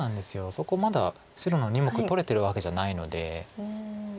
そこまだ白の２目取れてるわけじゃないので。